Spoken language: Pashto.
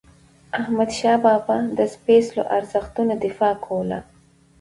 احمدشاه بابا د سپيڅلو ارزښتونو دفاع کوله.